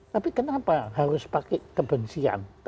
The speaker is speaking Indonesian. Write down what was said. tapi kenapa harus pakai kebencian